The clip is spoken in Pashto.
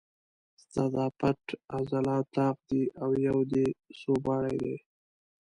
ستا دا پټ عضلات طاق دي او یو دې سوباړی دی.